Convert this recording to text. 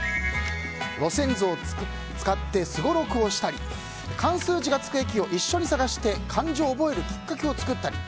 路線図を使ってすごろくをしたり漢数字がつく駅を一緒に探して漢字を覚えるきっかけを作ったり。